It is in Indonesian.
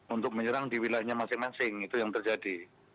untuk menyerang di wilayahnya masing masing itu yang terjadi